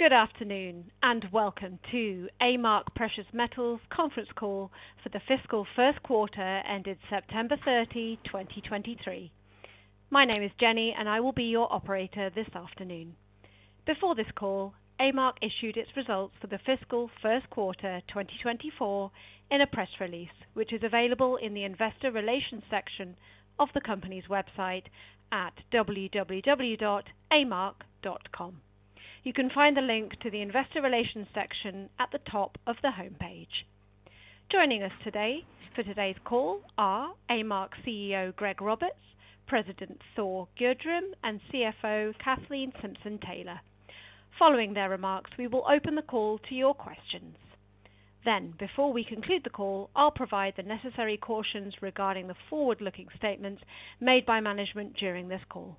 Good afternoon, and welcome to A-Mark Precious Metals Conference Call for the fiscal Q1 ended September 30, 2023. My name is Jenny, and I will be your operator this afternoon. Before this call, A-Mark issued its results for the fiscal Q1 2024 in a press release, which is available in the Investor Relations section of the company's website at www.amark.com. You can find the link to the Investor Relations section at the top of the homepage. Joining us today for today's call are A-Mark CEO, Greg Roberts, President Thor Gjerdrum, and CFO, Kathleen Simpson-Taylor. Following their remarks, we will open the call to your questions. Then, before we conclude the call, I'll provide the necessary cautions regarding the forward-looking statements made by management during this call.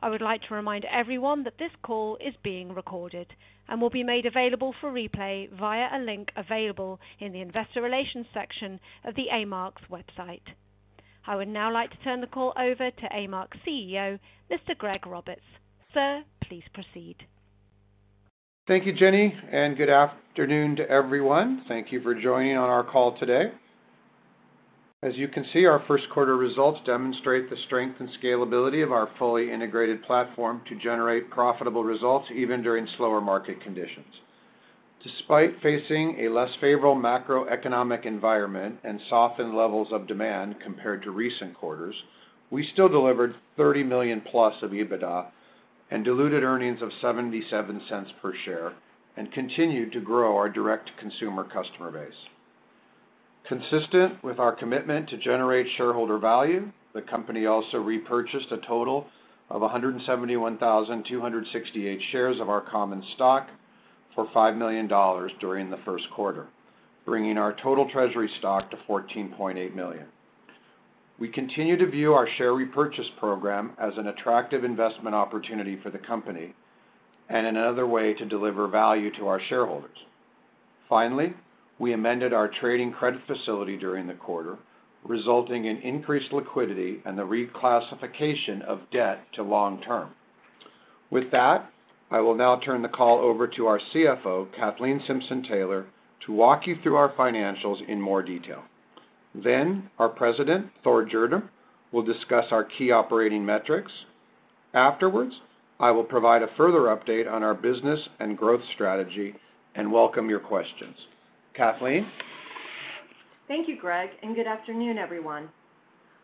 I would like to remind everyone that this call is being recorded and will be made available for replay via a link available in the Investor Relations section of the A-Mark's website. I would now like to turn the call over to A-Mark's CEO, Mr. Greg Roberts. Sir, please proceed. Thank you, Jenny, and good afternoon to everyone. Thank you for joining on our call today. As you can see, our Q1 results demonstrate the strength and scalability of our fully integrated platform to generate profitable results even during slower market conditions. Despite facing a less favorable macroeconomic environment and softened levels of demand compared to recent quarters, we still delivered $30 million+ of EBITDA and diluted earnings of $0.77 per share and continued to grow our direct consumer customer base. Consistent with our commitment to generate shareholder value, the company also repurchased a total of 171,268 shares of our common stock for $5 million during the Q1, bringing our total treasury stock to 14.8 million. We continue to view our share repurchase program as an attractive investment opportunity for the company and another way to deliver value to our shareholders. Finally, we amended our trading credit facility during the quarter, resulting in increased liquidity and the reclassification of debt to long term. With that, I will now turn the call over to our CFO, Kathleen Simpson-Taylor, to walk you through our financials in more detail. Then our President, Thor Gjerdrum, will discuss our key operating metrics. Afterwards, I will provide a further update on our business and growth strategy and welcome your questions. Kathleen? Thank you, Greg, and good afternoon, everyone.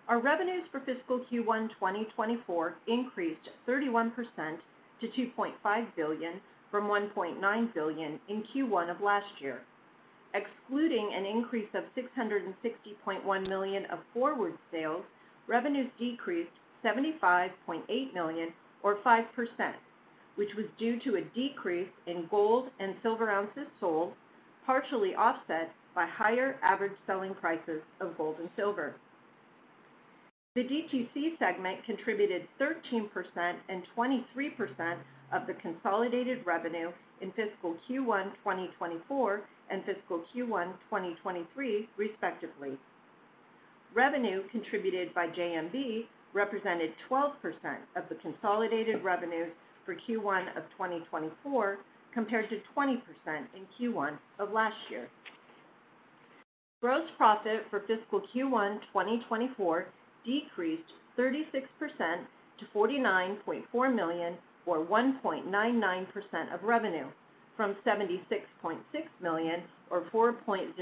Our revenues for fiscal Q1 2024 increased 31% to 2.5 billion from 1.9 billion in Q1 of last year. Excluding an increase of 660.1 million of forward sales, revenues decreased 75.8 million or 5%, which was due to a decrease in gold and silver ounces sold, partially offset by higher average selling prices of gold and silver. The DTC segment contributed 13% and 23% of the consolidated revenue in fiscal Q1 2024 and fiscal Q1 2023 respectively. Revenue contributed by JMB represented 12% of the consolidated revenues for Q1 of 2024, compared to 20% in Q1 of last year. Gross profit for fiscal Q1 2024 decreased 36% to 49.4 million, or 1.99% of revenue, from 76.6 million, or 4.03%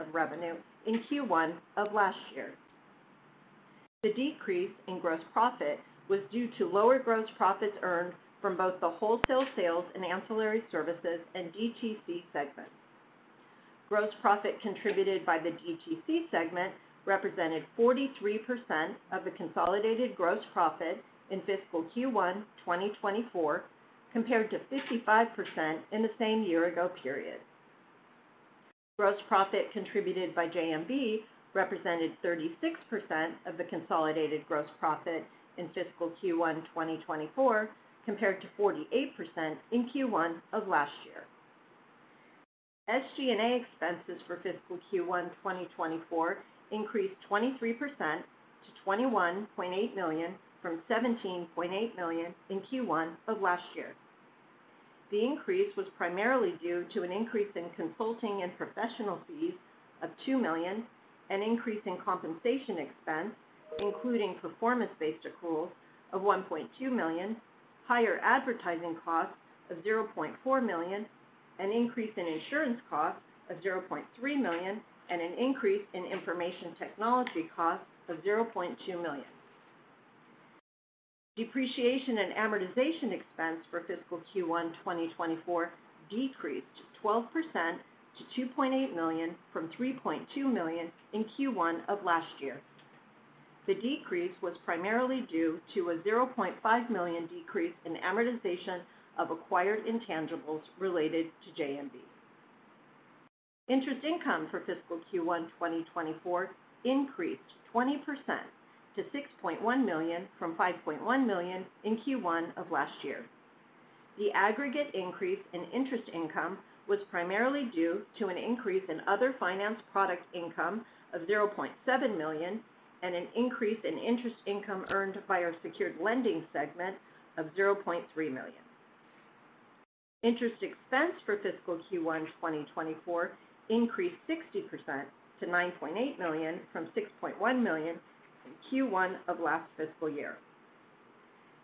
of revenue in Q1 of last year. The decrease in gross profit was due to lower gross profits earned from both the wholesale sales and ancillary services and DTC segments. Gross profit contributed by the DTC segment represented 43% of the consolidated gross profit in fiscal Q1 2024, compared to 55% in the same year ago period. Gross profit contributed by JMB represented 36% of the consolidated gross profit in fiscal Q1 2024, compared to 48% in Q1 of last year. SG&A expenses for fiscal Q1 2024 increased 23% to 21.8 million, from 17.8 million in Q1 of last year. The increase was primarily due to an increase in consulting and professional fees of 2 million, an increase in compensation expense, including performance-based accruals of 1.2 million, higher advertising costs of 0.4 million, an increase in insurance costs of 0.3 million, and an increase in information technology costs of 0.2 million. Depreciation and amortization expense for fiscal Q1 2024 decreased 12% to 2.8 million, from 3.2 million in Q1 of last year. The decrease was primarily due to a 0.5 million decrease in amortization of acquired intangibles related to JMB. Interest income for fiscal Q1 2024 increased 20% to 6.1 million, from 5.1 million in Q1 of last year. The aggregate increase in interest income was primarily due to an increase in other finance product income of 0.7 million, and an increase in interest income earned by our secured lending segment of 0.3 million. Interest expense for fiscal Q1 2024 increased 60% to 9.8 million from 6.1 million in Q1 of last fiscal year.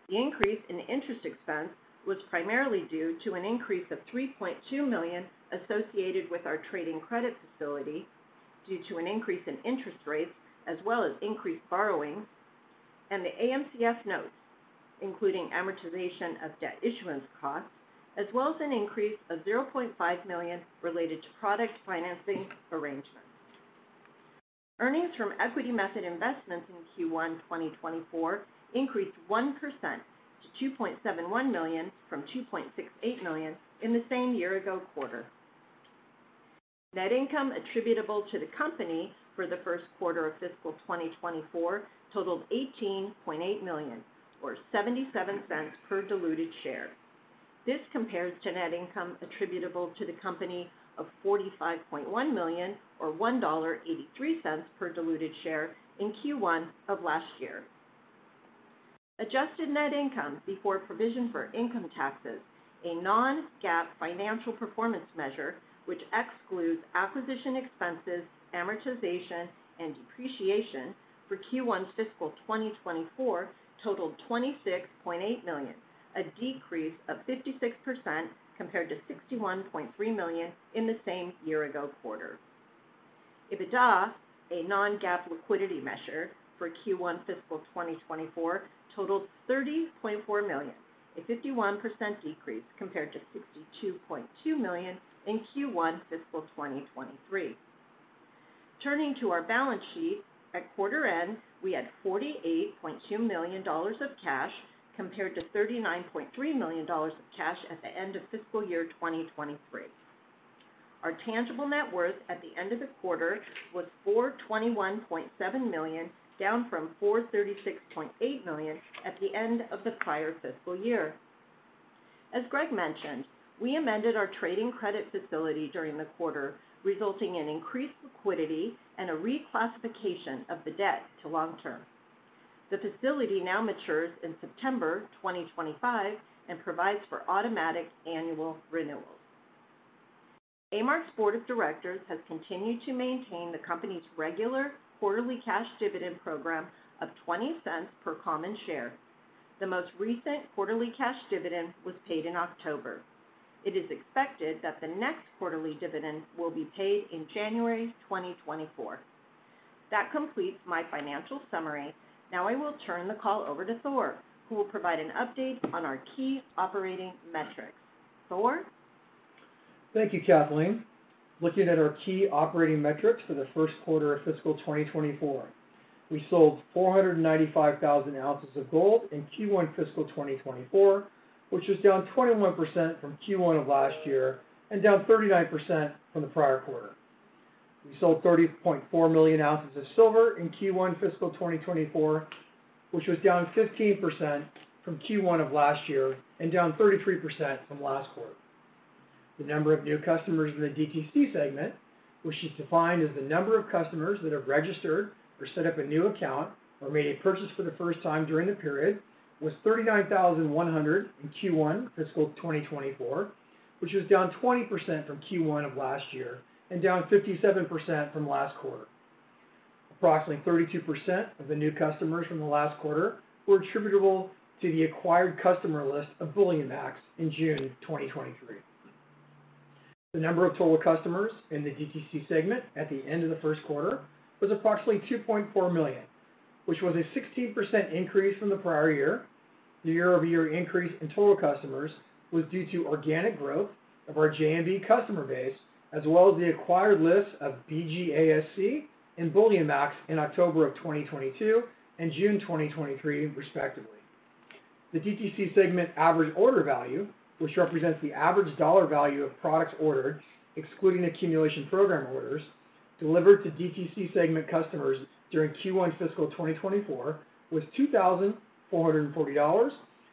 The increase in interest expense was primarily due to an increase of 3.2 million associated with our trading credit facility, due to an increase in interest rates, as well as increased borrowing and the AMCF notes, including amortization of debt issuance costs, as well as an increase of $0.5 million related to product financing arrangements. Earnings from equity method investments in Q1 2024 increased 1% to 2.71 million from 2.68 million in the same year-ago quarter. Net income attributable to the company for the Q1 of fiscal 2024 totaled 18.8 million, or 0.77 per diluted share. This compares to net income attributable to the company of 45.1 million, or $1.83 per diluted share in Q1 of last year. Adjusted net income before provision for income taxes, a non-GAAP financial performance measure, which excludes acquisition expenses, amortization, and depreciation for Q1 fiscal 2024 totaled 26.8 million, a decrease of 56% compared to 61.3 million in the same year-ago quarter. EBITDA, a non-GAAP liquidity measure for Q1 fiscal 2024, totaled 30.4 million, a 51% decrease compared to 62.2 million in Q1 fiscal 2023. Turning to our balance sheet, at quarter end, we had $48.2 million of cash, compared to $39.3 million of cash at the end of fiscal year 2023. Our tangible net worth at the end of the quarter was 421.7 million, down from 436.8 million at the end of the prior fiscal year. As Greg mentioned, we amended our trading credit facility during the quarter, resulting in increased liquidity and a reclassification of the debt to long term. The facility now matures in September 2025 and provides for automatic annual renewals. A-Mark's board of directors has continued to maintain the company's regular quarterly cash dividend program of $0.20 per common share. The most recent quarterly cash dividend was paid in October. It is expected that the next quarterly dividend will be paid in January 2024. That completes my financial summary. Now I will turn the call over to Thor, who will provide an update on our key operating metrics. Thor? Thank you, Kathleen. Looking at our key operating metrics for the Q1 of fiscal 2024, we sold 495,000 ounces of gold in Q1 fiscal 2024, which is down 21% from Q1 of last year and down 39% from the prior quarter. We sold 30.4 million ounces of silver in Q1 fiscal 2024, which was down 15% from Q1 of last year and down 33% from last quarter. The number of new customers in the DTC segment, which is defined as the number of customers that have registered or set up a new account or made a purchase for the first time during the period, was 39,100 in Q1 fiscal 2024, which is down 20% from Q1 of last year and down 57% from last quarter. Approximately 32% of the new customers from the last quarter were attributable to the acquired customer list of BullionMax in June 2023. The number of total customers in the DTC segment at the end of the Q1 was approximately 2.4 million, which was a 16% increase from the prior year. The year-over-year increase in total customers was due to organic growth of our JMB customer base, as well as the acquired lists of BGASC and BullionMax in October of 2022 and June 2023, respectively. The DTC segment average order value, which represents the average dollar value of products ordered, excluding accumulation program orders, delivered to DTC segment customers during Q1 fiscal 2024, was $2,440,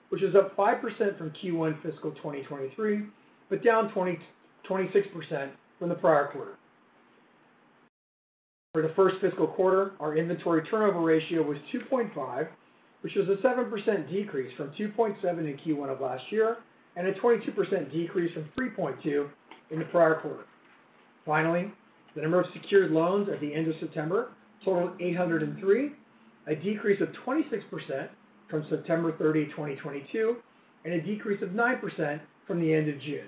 which is up 5% from Q1 fiscal 2023, but down 26% from the prior quarter. For the first fiscal quarter, our inventory turnover ratio was 2.5, which is a 7% decrease from 2.7 in Q1 of last year and a 22% decrease from 3.2 in the prior quarter. Finally, the number of secured loans at the end of September totaled 803, a decrease of 26% from September 30, 2022, and a decrease of 9% from the end of June.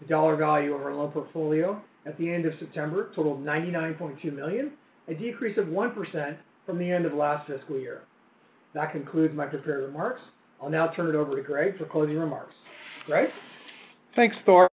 The dollar value of our loan portfolio at the end of September totaled 99.2 million, a decrease of 1% from the end of last fiscal year. That concludes my prepared remarks. I'll now turn it over to Greg for closing remarks. Greg? Thanks, Thor. ...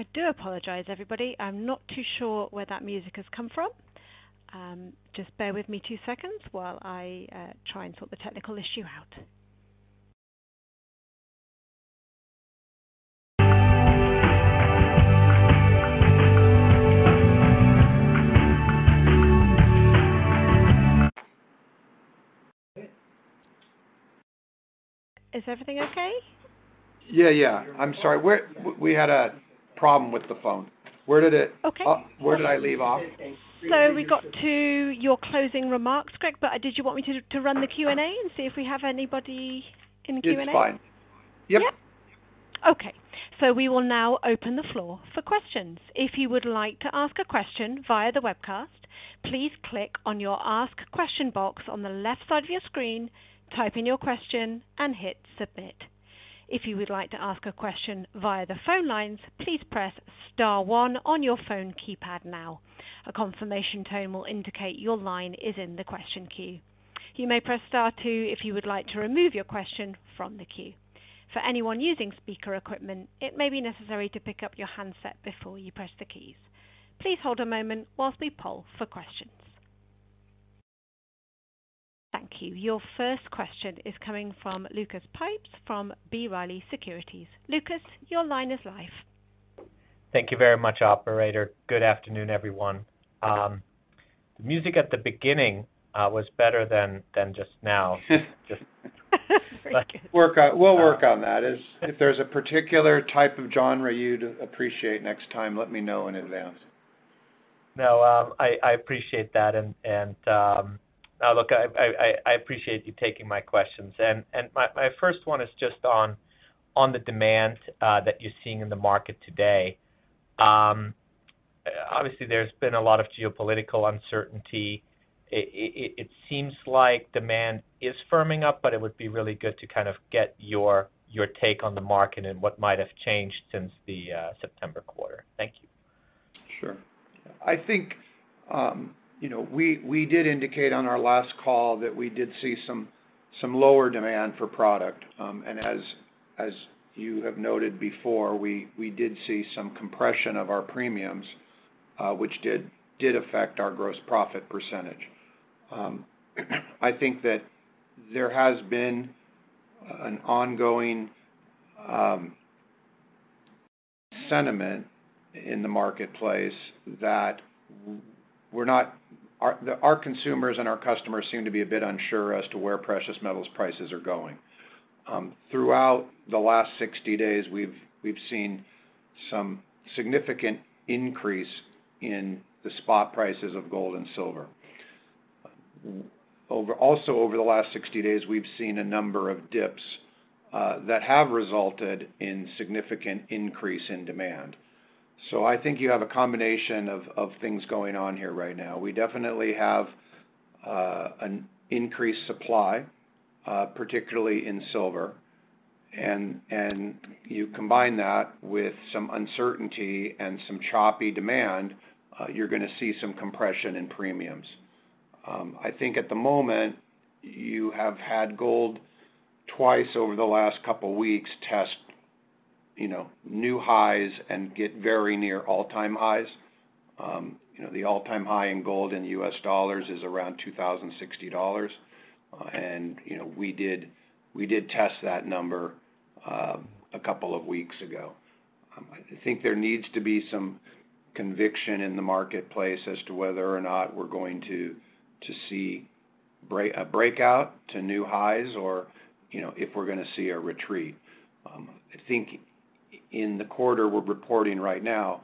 I do apologize, everybody. I'm not too sure where that music has come from. Just bear with me two seconds while I try and sort the technical issue out. Is everything okay? Yeah, yeah. I'm sorry. We had a problem with the phone. Where did it? Okay. Where did I leave off? So we got to your closing remarks, Greg, but did you want me to run the Q&A and see if we have anybody in the Q&A? It's fine. Yep. Yep. Okay, so we will now open the floor for questions. If you would like to ask a question via the webcast, please click on your Ask Question box on the left side of your screen, type in your question, and hit Submit. If you would like to ask a question via the phone lines, please press star one on your phone keypad now. A confirmation tone will indicate your line is in the question queue. You may press star two if you would like to remove your question from the queue. For anyone using speaker equipment, it may be necessary to pick up your handset before you press the keys. Please hold a moment while we poll for questions. Thank you. Your first question is coming from Lucas Pipes, from B. Riley Securities. Lucas, your line is live. Thank you very much, operator. Good afternoon, everyone. The music at the beginning was better than just now. We'll work on that. If there's a particular type of genre you'd appreciate next time, let me know in advance. No, I appreciate that. Look, I appreciate you taking my questions. My first one is just on the demand that you're seeing in the market today. Obviously, there's been a lot of geopolitical uncertainty. It seems like demand is firming up, but it would be really good to kind of get your take on the market and what might have changed since the September quarter. Thank you. Sure. I think, you know, we did indicate on our last call that we did see some lower demand for product. As you have noted before, we did see some compression of our premiums, which did affect our gross profit percentage. I think that there has been an ongoing sentiment in the marketplace that our consumers and our customers seem to be a bit unsure as to where precious metals prices are going. Throughout the last 60 days, we've seen some significant increase in the spot prices of gold and silver. Also, over the last 60 days, we've seen a number of dips that have resulted in significant increase in demand. So I think you have a combination of things going on here right now. We definitely have an increased supply, particularly in silver. You combine that with some uncertainty and some choppy demand, you're going to see some compression in premiums. I think at the moment, you have had gold twice over the last couple weeks test, you know, new highs and get very near all-time highs. You know, the all-time high in gold in U.S. dollars is around $2,060. You know, we did test that number a couple of weeks ago. I think there needs to be some conviction in the marketplace as to whether or not we're going to see a breakout to new highs or, you know, if we're going to see a retreat. I think in the quarter we're reporting right now,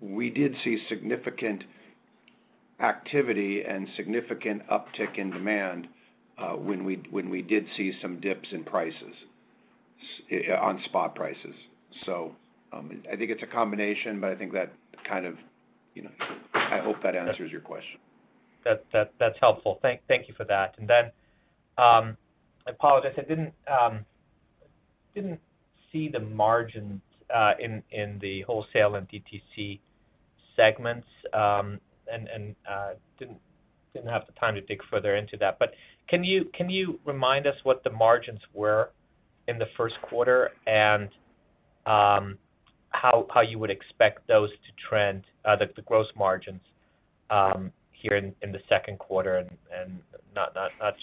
we did see significant activity and significant uptick in demand when we did see some dips in prices on spot prices. So, I think it's a combination, but I think that kind of, you know, I hope that answers your question. That, that's helpful. Thank you for that. And then, I apologize. I didn't see the margins in the wholesale and DTC segments, and didn't have the time to dig further into that. But can you remind us what the margins were in the Q1 and how you would expect those to trend, the gross margins, here in the Q2? And not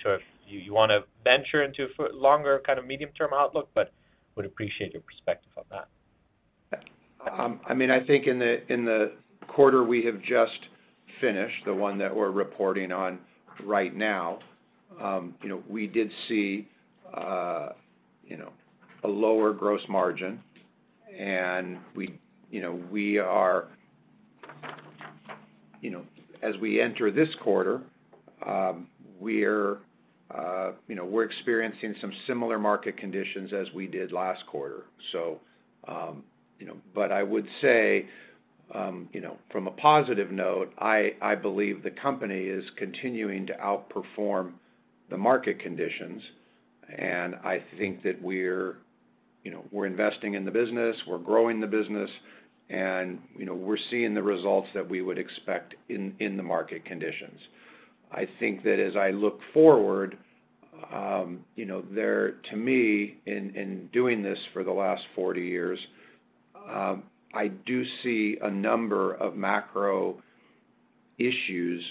sure if you want to venture into a longer, kind of, medium-term outlook, but would appreciate your perspective on that. I mean, I think in the, in the quarter we have just finished, the one that we're reporting on right now, you know, we did see, you know, a lower gross margin, and we, you know, as we enter this quarter, we're, you know, we're experiencing some similar market conditions as we did last quarter. So, you know, but I would say, you know, from a positive note, I, I believe the company is continuing to outperform the market conditions, and I think that we're, you know, we're investing in the business, we're growing the business, and, you know, we're seeing the results that we would expect in, in the market conditions. I think that as I look forward, you know, there, to me, in doing this for the last 40 years, I do see a number of macro issues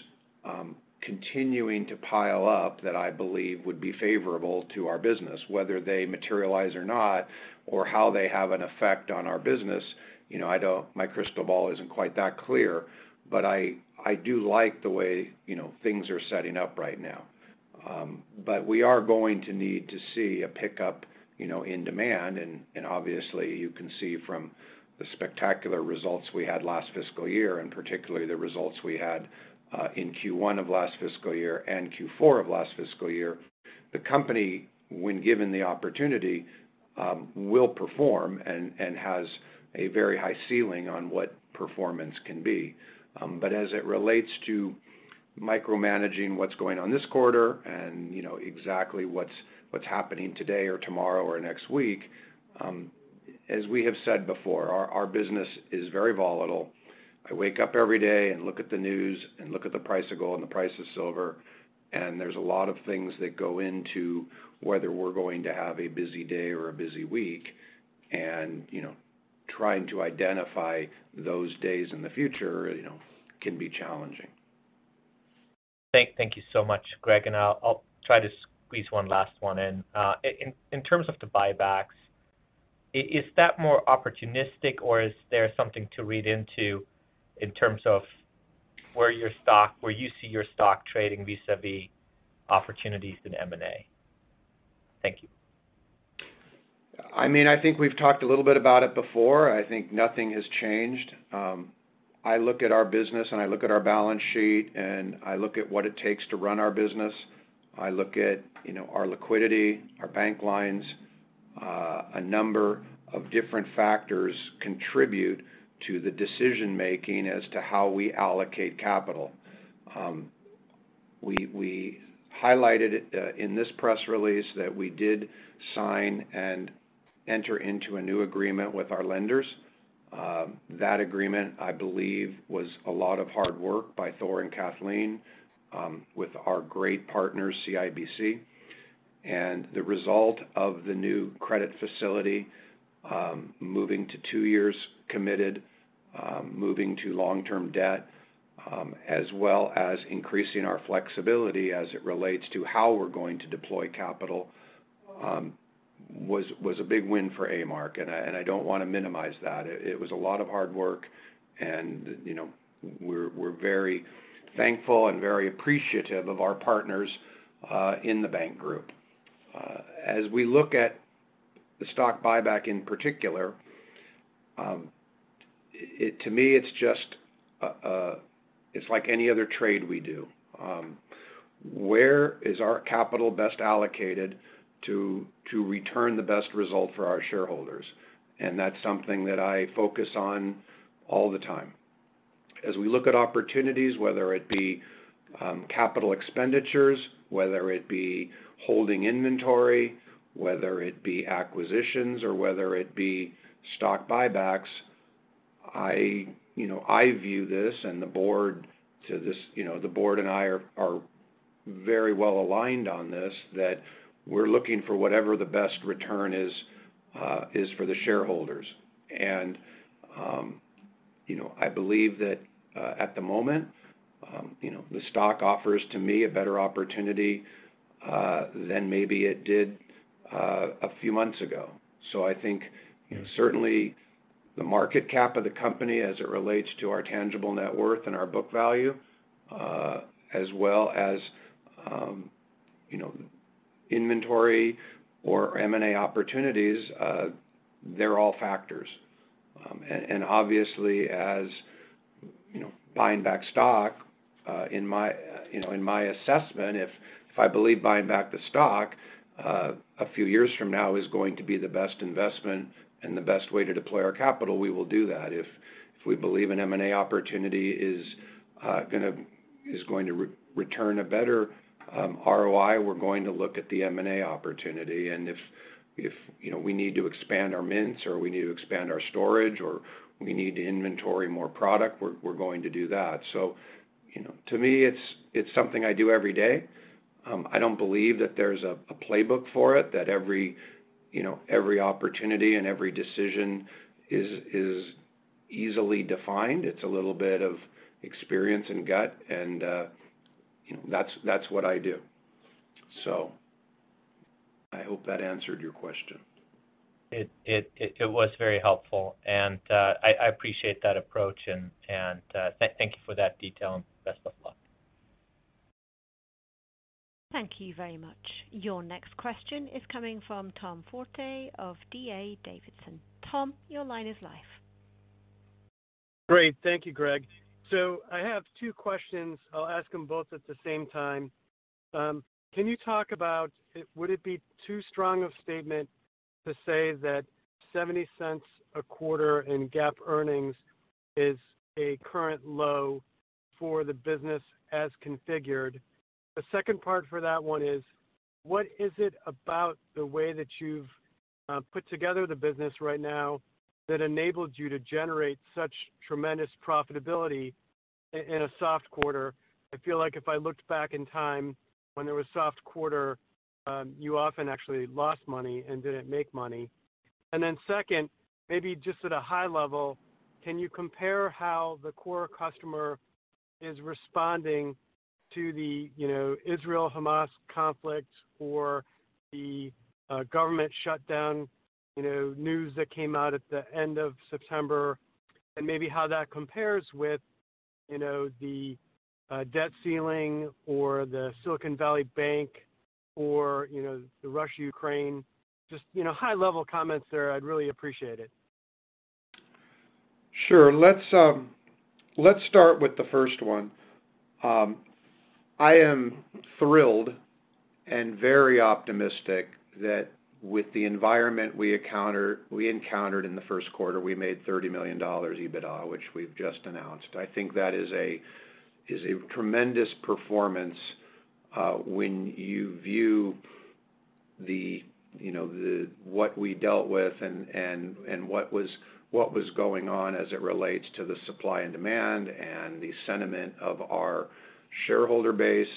continuing to pile up that I believe would be favourable to our business. Whether they materialize or not, or how they have an effect on our business, you know, I don't. My crystal ball isn't quite that clear, but I do like the way, you know, things are setting up right now. But we are going to need to see a pickup, you know, in demand, and, and obviously, you can see from the spectacular results we had last fiscal year, and particularly the results we had in Q1 of last fiscal year and Q4 of last fiscal year, the company, when given the opportunity, will perform and, and has a very high ceiling on what performance can be. But as it relates to micromanaging what's going on this quarter, and you know, exactly what's, what's happening today or tomorrow or next week, as we have said before, our, our business is very volatile. I wake up every day and look at the news and look at the price of gold and the price of silver, and there's a lot of things that go into whether we're going to have a busy day or a busy week. You know, trying to identify those days in the future, you know, can be challenging. Thank you so much, Greg, and I'll try to squeeze one last one in. In terms of the buybacks, is that more opportunistic, or is there something to read into in terms of where your stock, where you see your stock trading vis-a-vis opportunities in M&A? Thank you. I mean, I think we've talked a little bit about it before. I think nothing has changed. I look at our business, and I look at our balance sheet, and I look at what it takes to run our business. I look at, you know, our liquidity, our bank lines. A number of different factors contribute to the decision-making as to how we allocate capital. We highlighted in this press release that we did sign and enter into a new agreement with our lenders. That agreement, I believe, was a lot of hard work by Thor and Kathleen with our great partners, CIBC. The result of the new credit facility, moving to two years committed, moving to long-term debt, as well as increasing our flexibility as it relates to how we're going to deploy capital, was a big win for A-Mark, and I don't want to minimize that. It was a lot of hard work, and, you know, we're very thankful and very appreciative of our partners in the bank group. As we look at the stock buyback in particular, it to me, it's just, it's like any other trade we do. Where is our capital best allocated to return the best result for our shareholders? And that's something that I focus on all the time. As we look at opportunities, whether it be capital expenditures, whether it be holding inventory, whether it be acquisitions, or whether it be stock buybacks, I, you know, I view this and the board to this you know, the board and I are very well aligned on this, that we're looking for whatever the best return is for the shareholders. And you know, I believe that at the moment, you know, the stock offers to me a better opportunity than maybe it did a few months ago. So I think, you know, certainly the market cap of the company as it relates to our tangible net worth and our book value, as well as you know, inventory or M&A opportunities, they're all factors. And obviously, as you know, buying back stock in my, you know, in my assessment, if I believe buying back the stock a few years from now is going to be the best investment and the best way to deploy our capital, we will do that. If we believe an M&A opportunity is going to return a better ROI, we're going to look at the M&A opportunity. And if, you know, we need to expand our mints or we need to expand our storage or we need to inventory more product, we're going to do that. So, you know, to me, it's something I do every day. I don't believe that there's a playbook for it, that every, you know, every opportunity and every decision is easily defined. It's a little bit of experience and gut, and, you know, that's, that's what I do. So I hope that answered your question. It was very helpful, and I appreciate that approach, and thank you for that detail. Thank you very much. Your next question is coming from Tom Forte of D.A. Davidson. Tom, your line is live. Great. Thank you, Greg. I have two questions. I'll ask them both at the same time. Can you talk about would it be too strong of statement to say that $0.70 a quarter in GAAP earnings is a current low for the business as configured? The second part for that one is, what is it about the way that you've put together the business right now that enables you to generate such tremendous profitability in a soft quarter? I feel like if I looked back in time when there was soft quarter, you often actually lost money and didn't make money. And then second, maybe just at a high level, can you compare how the core customer is responding to the, you know, Israel-Hamas conflict or the, government shutdown, you know, news that came out at the end of September, and maybe how that compares with, you know, the, debt ceiling or the Silicon Valley Bank or, you know, the Russia-Ukraine? Just, you know, high-level comments there. I'd really appreciate it. Sure. Let's start with the first one. I am thrilled and very optimistic that with the environment we encountered in the Q1, we made $30 million EBITDA, which we've just announced. I think that is a tremendous performance when you view the, you know, what we dealt with and what was going on as it relates to the supply and demand and the sentiment of our shareholder base.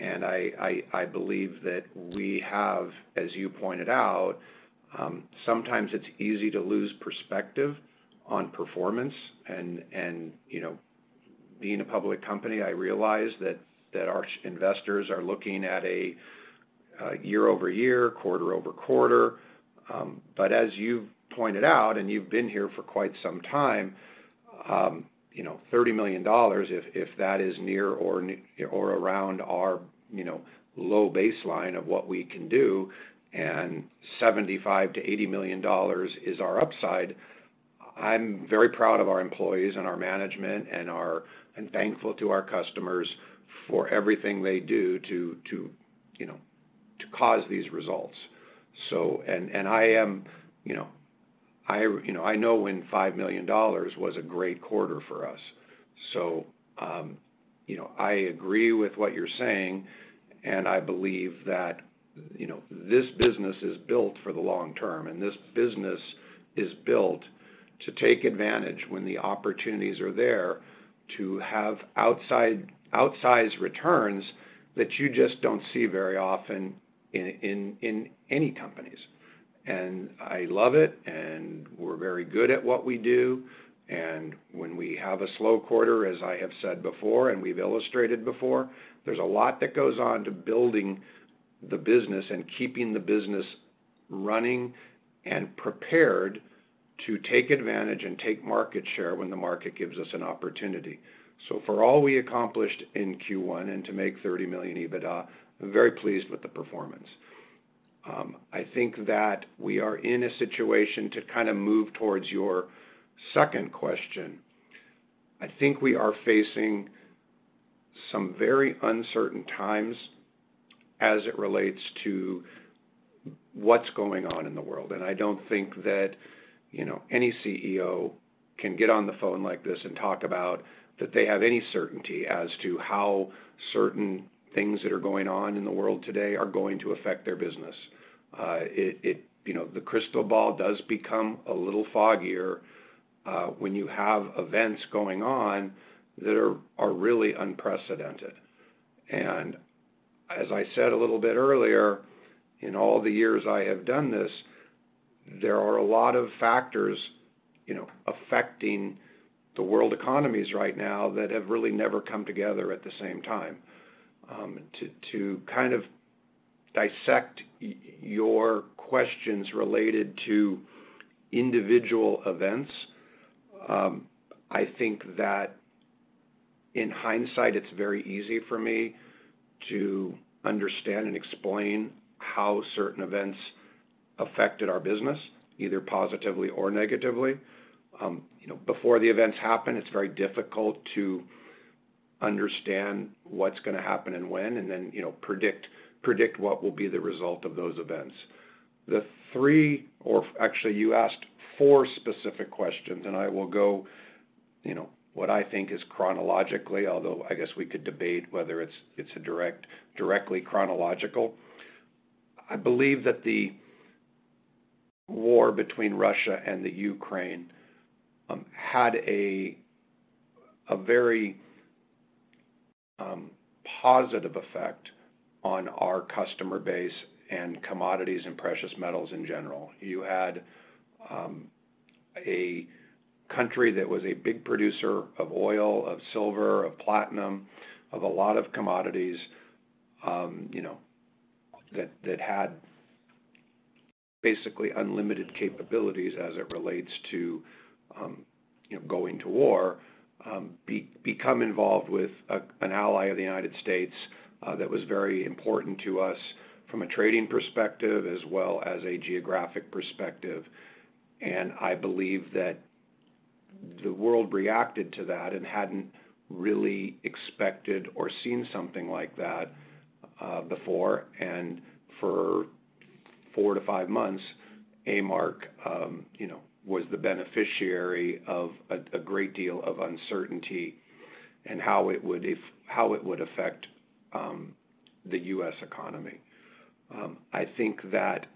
I believe that we have, as you pointed out, sometimes it's easy to lose perspective on performance, and you know, being a public company, I realize that our investors are looking at a year-over-year, quarter-over-quarter. But as you've pointed out, and you've been here for quite some time, you know, $30 million, if that is near or around our, you know, low baseline of what we can do, and $75 million-$80 million is our upside, I'm very proud of our employees and our management and thankful to our customers for everything they do to, you know, to cause these results. So. And, I am, you know, I know when $5 million was a great quarter for us. So, you know, I agree with what you're saying, and I believe that, you know, this business is built for the long term, and this business is built to take advantage when the opportunities are there to have outsized returns that you just don't see very often in any companies. And I love it, and we're very good at what we do, and when we have a slow quarter, as I have said before, and we've illustrated before, there's a lot that goes on to building the business and keeping the business running and prepared to take advantage and take market share when the market gives us an opportunity. So for all we accomplished in Q1 and to make $30 million EBITDA, I'm very pleased with the performance. I think that we are in a situation, to kind of move towards your second question, I think we are facing some very uncertain times as it relates to what's going on in the world. I don't think that, you know, any CEO can get on the phone like this and talk about that they have any certainty as to how certain things that are going on in the world today are going to affect their business. You know, the crystal ball does become a little foggier when you have events going on that are really unprecedented. As I said a little bit earlier, in all the years I have done this, there are a lot of factors, you know, affecting the world economies right now that have really never come together at the same time. To kind of dissect your questions related to individual events, I think that in hindsight, it's very easy for me to understand and explain how certain events affected our business, either positively or negatively. You know, before the events happen, it's very difficult to understand what's going to happen and when, and then, you know, predict what will be the result of those events. Actually, you asked four specific questions, and I will go, you know, what I think is chronologically, although I guess we could debate whether it's directly chronological. I believe that the war between Russia and Ukraine had a very positive effect on our customer base and commodities and precious metals in general. You had a country that was a big producer of oil, of silver, of platinum, of a lot of commodities, you know, that had basically unlimited capabilities as it relates to, you know, going to war. Become involved with an ally of the United States, that was very important to us from a trading perspective as well as a geographic perspective. And I believe that the world reacted to that and hadn't really expected or seen something like that before. And for 4-5 months, A-Mark, you know, was the beneficiary of a great deal of uncertainty and how it would affect the U.S. economy. I think that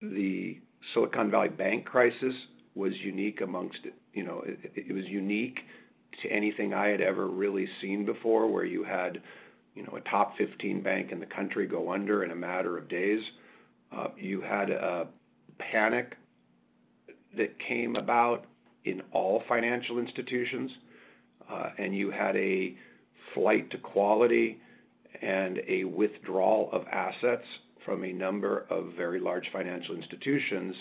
the Silicon Valley Bank crisis was unique amongst, you know, it was unique to anything I had ever really seen before, where you had, you know, a top 15 bank in the country go under in a matter of days. You had a panic that came about in all financial institutions, and you had a flight to quality and a withdrawal of assets from a number of very large financial institutions.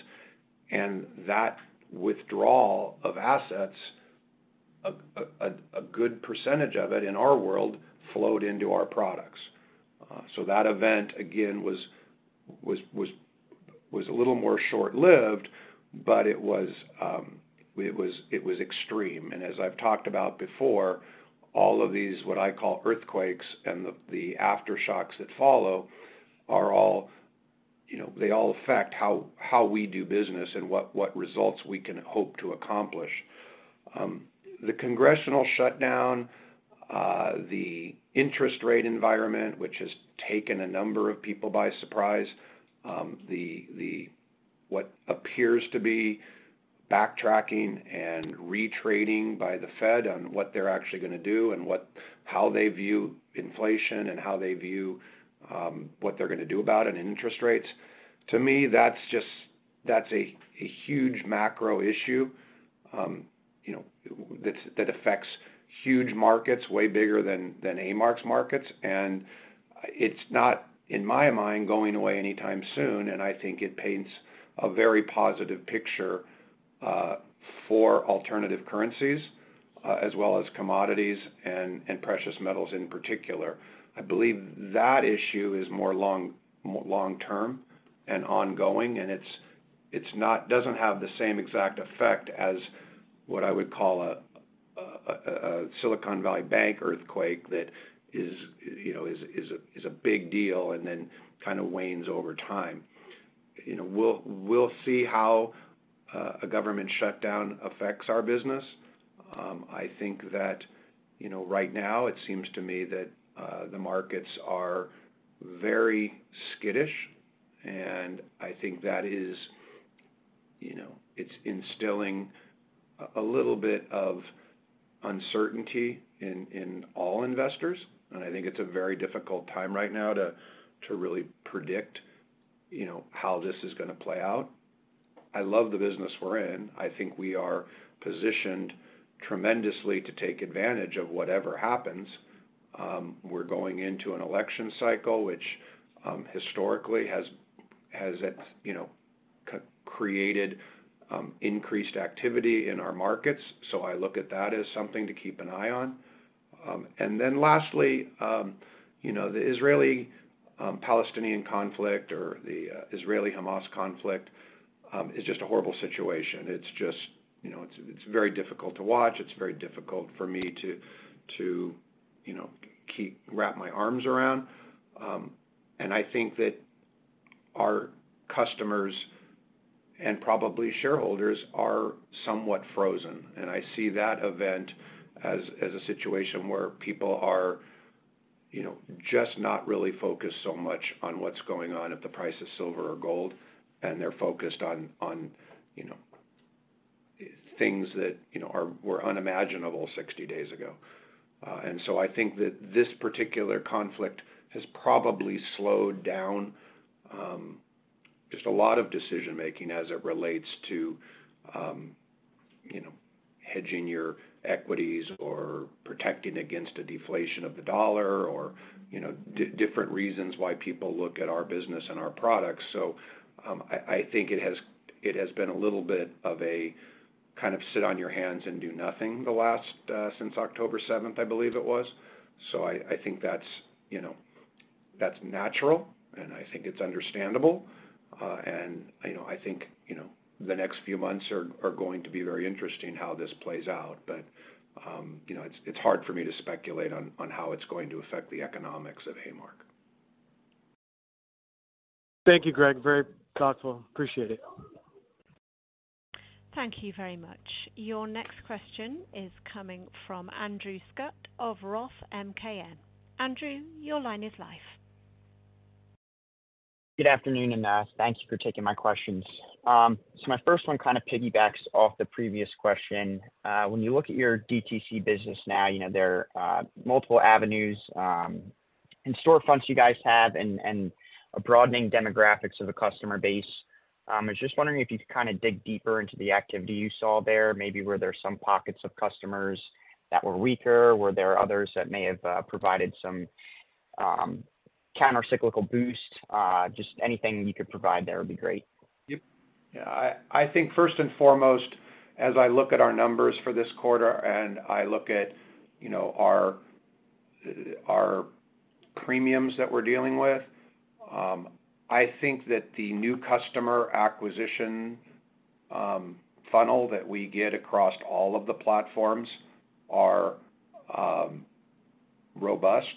And that withdrawal of assets, a good percentage of it, in our world, flowed into our products. So that event, again, was a little more short-lived, but it was extreme. And as I've talked about before, all of these, what I call earthquakes, and the aftershocks that follow are all... You know, they all affect how we do business and what results we can hope to accomplish. The congressional shutdown, the interest rate environment, which has taken a number of people by surprise, what appears to be backtracking and re-trading by the Fed on what they're actually going to do and how they view inflation and how they view what they're going to do about it, and interest rates. To me, that's just a huge macro issue, you know, that affects huge markets, way bigger than A-Mark's markets. And it's not, in my mind, going away anytime soon, and I think it paints a very positive picture for alternative currencies, as well as commodities and precious metals in particular. I believe that issue is more long-term and ongoing, and it's not doesn't have the same exact effect as what I would call a Silicon Valley Bank earthquake that is, you know, a big deal and then kind of wanes over time. You know, we'll see how a government shutdown affects our business. I think that, you know, right now, it seems to me that the markets are very skittish, and I think that is, you know, it's instilling a little bit of uncertainty in all investors. And I think it's a very difficult time right now to really predict, you know, how this is going to play out. I love the business we're in. I think we are positioned tremendously to take advantage of whatever happens. We're going into an election cycle, which historically has you know created increased activity in our markets, so I look at that as something to keep an eye on. And then lastly, you know, the Israeli-Palestinian conflict or the Israeli-Hamas conflict is just a horrible situation. It's just, you know, it's very difficult to watch. It's very difficult for me to you know wrap my arms around. And I think that our customers, and probably shareholders, are somewhat frozen, and I see that event as a situation where people are you know just not really focused so much on what's going on at the price of silver or gold, and they're focused on you know things that you know were unimaginable 60 days ago. And so I think that this particular conflict has probably slowed down just a lot of decision making as it relates to, you know, hedging your equities or protecting against a deflation of the dollar or, you know, different reasons why people look at our business and our products. So I think it has. It has been a little bit of a kind of sit on your hands and do nothing the last since October seventh, I believe it was. So I think that's, you know, that's natural, and I think it's understandable. And you know, I think you know, the next few months are going to be very interesting, how this plays out. But you know, it's hard for me to speculate on how it's going to affect the economics of A-Mark. Thank you, Greg. Very thoughtful. Appreciate it. Thank you very much. Your next question is coming from Andrew Scutt of Roth MKM. Andrew, your line is live. Good afternoon, and thank you for taking my questions. So my first one kind of piggybacks off the previous question. When you look at your DTC business now, you know, there are multiple avenues and store fronts you guys have and a broadening demographics of the customer base. I was just wondering if you could kind of dig deeper into the activity you saw there. Maybe were there some pockets of customers that were weaker? Were there others that may have provided some countercyclical boost? Just anything you could provide there would be great. Yep. I think first and foremost, as I look at our numbers for this quarter and I look at, you know, our premiums that we're dealing with, I think that the new customer acquisition funnel that we get across all of the platforms are robust.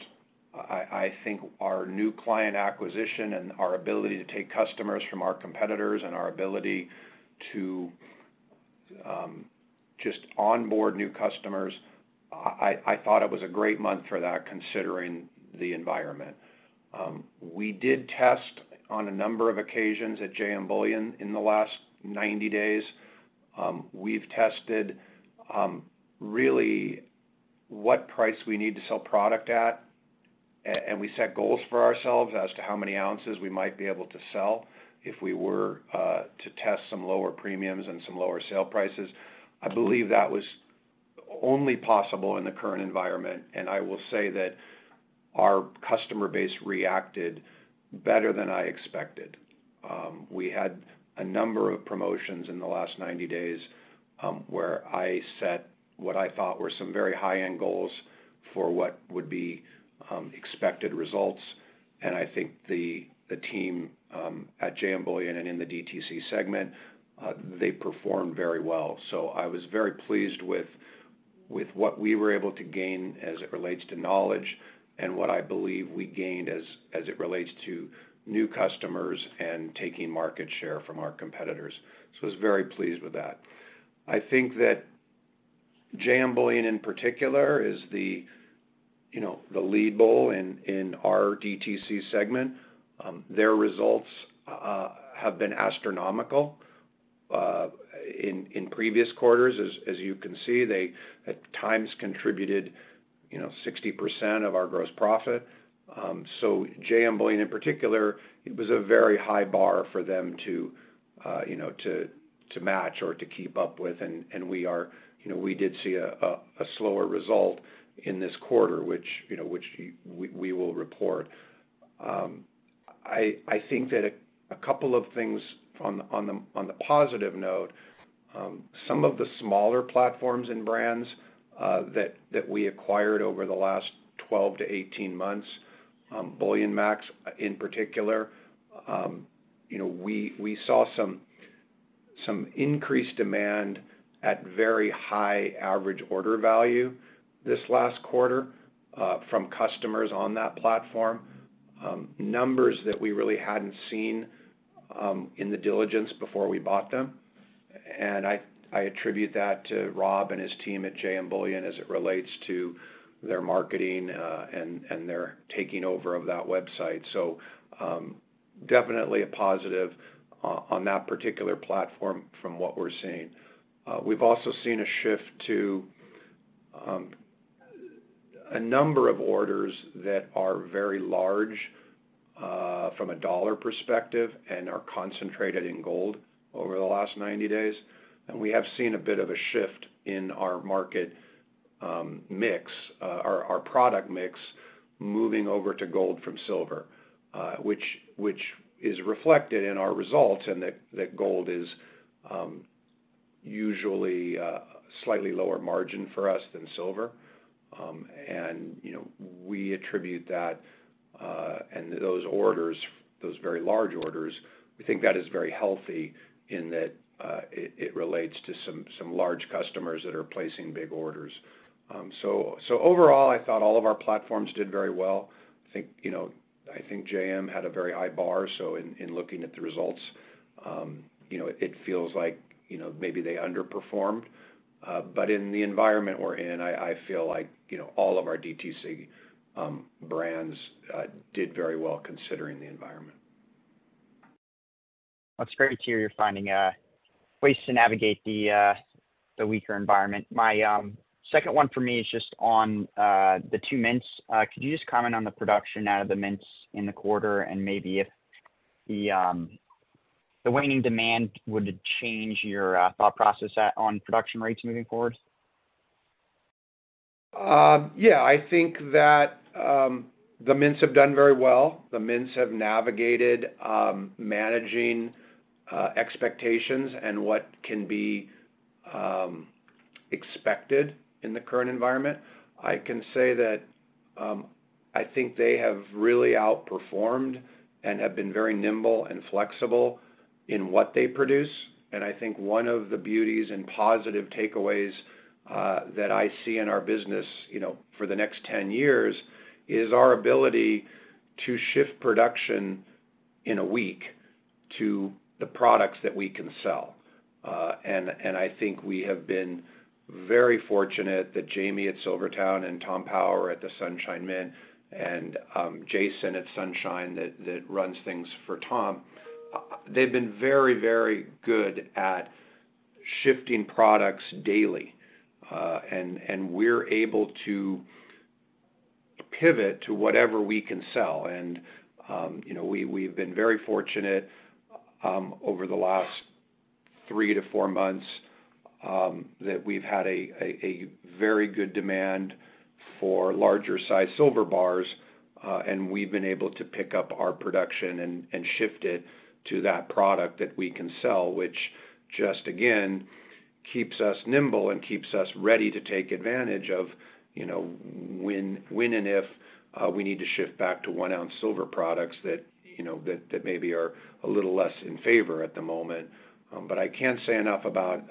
I think our new client acquisition and our ability to take customers from our competitors and our ability to just onboard new customers, I thought it was a great month for that, considering the environment. We did test on a number of occasions at JM Bullion in the last 90 days. We've tested, really what price we need to sell product at, and we set goals for ourselves as to how many ounces we might be able to sell if we were to test some lower premiums and some lower sale prices. I believe that was only possible in the current environment, and I will say that our customer base reacted better than I expected. We had a number of promotions in the last 90 days, where I set what I thought were some very high-end goals for what would be expected results. And I think the team at JM Bullion and in the DTC segment, they performed very well. So I was very pleased with, with what we were able to gain as it relates to knowledge and what I believe we gained as it relates to new customers and taking market share from our competitors. So I was very pleased with that. I think that JM Bullion, in particular, is the, you know, the lead bull in our DTC segment. Their results have been astronomical in previous quarters. As you can see, they at times contributed, you know, 60% of our gross profit. So JM Bullion, in particular, it was a very high bar for them to, you know, to match or to keep up with. And we are, you know, we did see a slower result in this quarter, which, you know, we will report. I think that a couple of things on the positive note, some of the smaller platforms and brands that we acquired over the last 12 to 18 months, BullionMax, in particular, you know, we saw some increased demand at very high average order value this last quarter, from customers on that platform. Numbers that we really hadn't seen in the diligence before we bought them. And I attribute that to Rob and his team at JM Bullion as it relates to their marketing and their taking over of that website. So, definitely a positive on that particular platform from what we're seeing. We've also seen a shift to a number of orders that are very large from a dollar perspective and are concentrated in gold over the last 90 days. And we have seen a bit of a shift in our market mix, our product mix, moving over to gold from silver, which is reflected in our results, and that gold is usually slightly lower margin for us than silver. And, you know, we attribute that and those orders, those very large orders; we think that is very healthy in that it relates to some large customers that are placing big orders. So overall, I thought all of our platforms did very well. I think, you know, I think JM had a very high bar, so in looking at the results, you know, it feels like, you know, maybe they underperformed. But in the environment we're in, I feel like, you know, all of our DTC brands did very well, considering the environment. That's great to hear you're finding ways to navigate the weaker environment. My second one for me is just on the two mints. Could you just comment on the production out of the mints in the quarter and maybe if the waning demand would it change your thought process on production rates moving forward? Yeah, I think that the mints have done very well. The mints have navigated managing expectations and what can be expected in the current environment. I can say that I think they have really outperformed and have been very nimble and flexible in what they produce. I think one of the beauties and positive takeaways that I see in our business, you know, for the next 10 years, is our ability to shift production in a week to the products that we can sell. I think we have been very fortunate that Jamie at SilverTowne and Tom Power at the Sunshine Mint and Jason at Sunshine, that runs things for Tom, they've been very, very good at shifting products daily. We're able to pivot to whatever we can sell. You know, we've been very fortunate over the last 3-4 months that we've had a very good demand for larger sized silver bars, and we've been able to pick up our production and shift it to that product that we can sell, which just again keeps us nimble and keeps us ready to take advantage of, you know, when and if we need to shift back to one ounce silver products that, you know, that maybe are a little less in favor at the moment. But I can't say enough about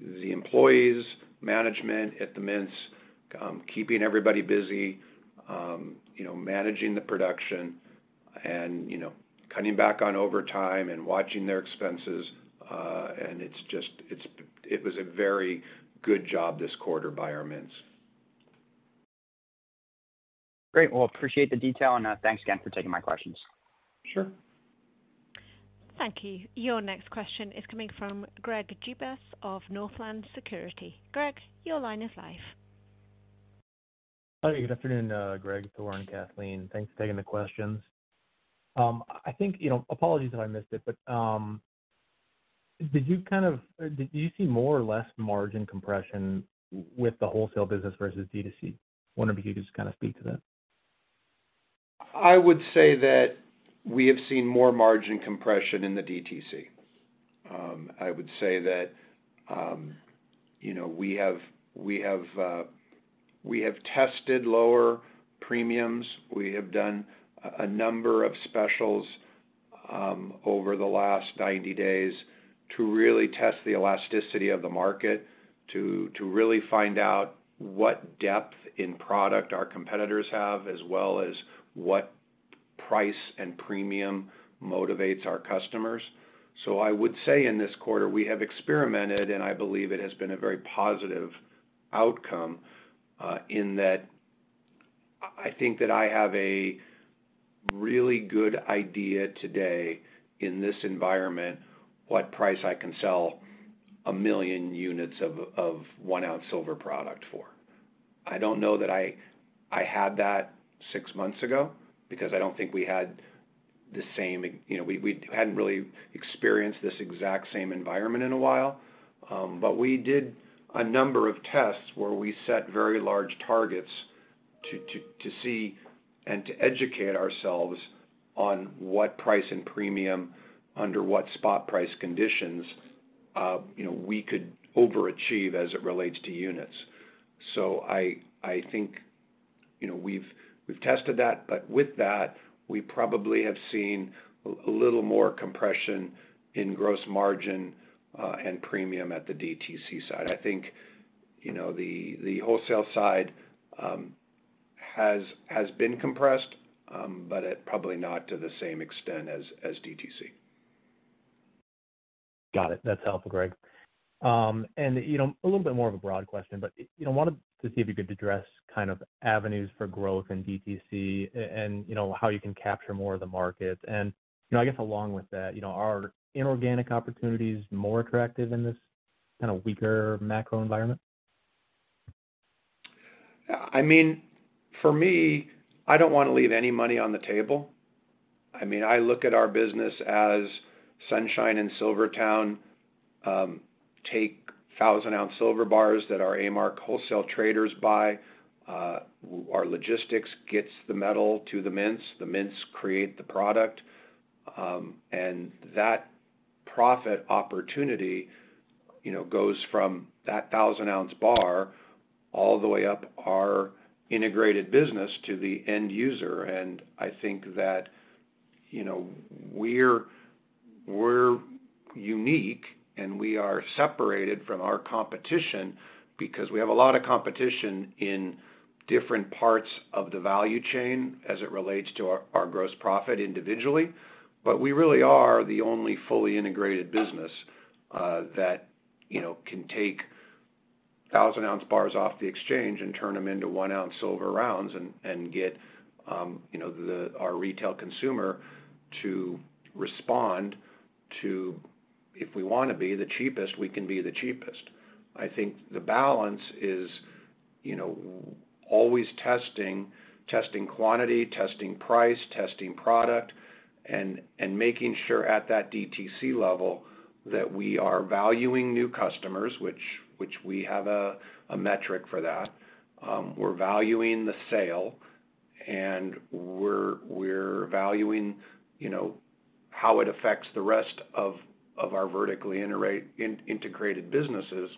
the employees, management at the mints keeping everybody busy, you know, managing the production and, you know, cutting back on overtime and watching their expenses. And it's just. It was a very good job this quarter by our mints. Great. Well, appreciate the detail, and, thanks again for taking my questions. Sure. Thank you. Your next question is coming from Greg Gibas of Northland Securities. Greg, your line is live. Hi, good afternoon, Greg, Thor, and Kathleen. Thanks for taking the questions. I think, you know, apologies if I missed it, but did you see more or less margin compression with the wholesale business versus DTC? Wondering if you could just kind of speak to that. I would say that we have seen more margin compression in the DTC. I would say that, you know, we have tested lower premiums. We have done a number of specials over the last 90 days to really test the elasticity of the market, to really find out what depth in product our competitors have, as well as what price and premium motivates our customers. So I would say in this quarter, we have experimented, and I believe it has been a very positive outcome, in that I think that I have a really good idea today in this environment, what price I can sell a million units of one ounce silver product for. I don't know that I had that six months ago because I don't think we had the same, you know... We hadn't really experienced this exact same environment in a while. But we did a number of tests where we set very large targets to see and to educate ourselves on what price and premium under what spot price conditions, you know, we could overachieve as it relates to units. So I think, you know, we've tested that, but with that, we probably have seen a little more compression in gross margin and premium at the DTC side. I think, you know, the wholesale side has been compressed, but it probably not to the same extent as DTC. Got it. That's helpful, Greg. And you know, a little bit more of a broad question, but, you know, wanted to see if you could address kind of avenues for growth in DTC and, you know, how you can capture more of the market. And, you know, I guess along with that, you know, are inorganic opportunities more attractive in this kind of weaker macro environment? I mean, for me, I don't want to leave any money on the table. I mean, I look at our business as Sunshine and SilverTowne, take 1,000-ounce silver bars that our A-Mark wholesale traders buy, our logistics gets the metal to the mints, the mints create the product, and that profit opportunity, you know, goes from that 1,000-ounce bar all the way up our integrated business to the end user. And I think that, you know, we're, we're unique, and we are separated from our competition because we have a lot of competition in different parts of the value chain as it relates to our, our gross profit individually. But we really are the only fully integrated business, that, you know, can take 1,000-ounce bars off the exchange and turn them into 1-ounce silver rounds and get, you know, our retail consumer to respond to... If we want to be the cheapest, we can be the cheapest. I think the balance is, you know, always testing, testing quantity, testing price, testing product, and making sure at that DTC level that we are valuing new customers, which we have a metric for that. We're valuing the sale, and we're, we're valuing, you know, how it affects the rest of our vertically integrated businesses,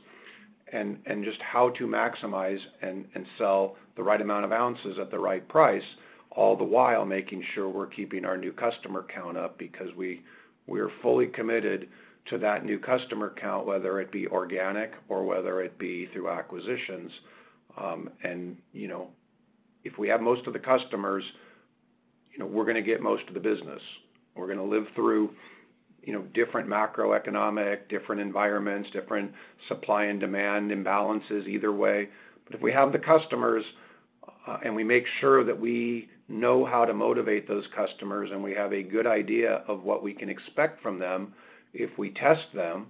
and, and just how to maximize and, and sell the right amount of ounces at the right price, all the while making sure we're keeping our new customer count up because we're fully committed to that new customer count, whether it be organic or whether it be through acquisitions. And, you know, if we have most of the customers, you know, we're going to get most of the business. We're going to live through, you know, different macroeconomic, different environments, different supply and demand imbalances either way. But if we have the customers, and we make sure that we know how to motivate those customers, and we have a good idea of what we can expect from them if we test them...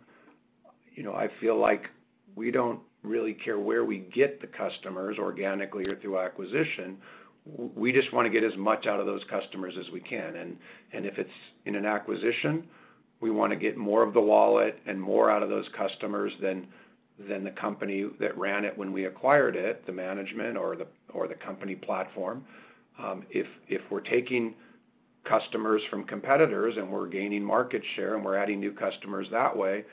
You know, I feel like we don't really care where we get the customers, organically or through acquisition. We just want to get as much out of those customers as we can, and if it's in an acquisition, we want to get more of the wallet and more out of those customers than the company that ran it when we acquired it, the management or the company platform. If we're taking customers from competitors, and we're gaining market share, and we're adding new customers that way,